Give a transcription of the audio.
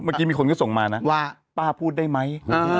เมื่อกี้มีคนก็ส่งมานะว่าป้าพูดได้ไหม